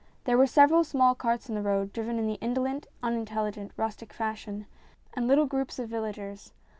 There were several small carts in the road, driven in the indolent, unintelligent, rustic fashion, and little groups of villagers.